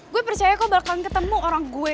gue percaya kok bakalan ketemu orang gue